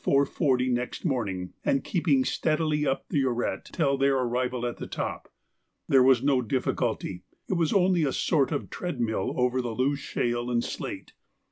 40 next morning, and keeping steadily up the arête till their arrival at the top. There was no difficulty, it was only a sort of treadmill over the loose shale and slate.